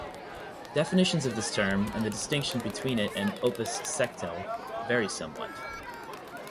Definitions of this term, and the distinction between it and "opus sectile", vary somewhat.